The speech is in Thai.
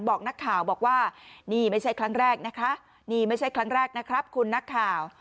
บอกนักข่าวบอกว่านี่ไม่ใช่ครั้งแรกนะคะนี่ไม่ใช่ครั้งแรกนะครับคุณนักข่าว